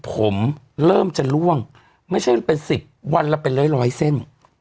ผมเริ่มจะล่วงไม่ใช่เป็น๑๐วันละเป็นร้อยเส้น